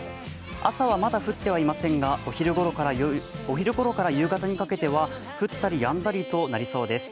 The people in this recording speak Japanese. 朝はまだ振ってはいませんがお昼ごろから夕方にかけては降ったりやんだりとなりそうです。